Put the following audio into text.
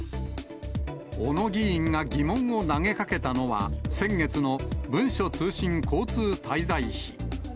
小野議員が疑問を投げかけたのは、先月の文書通信交通滞在費。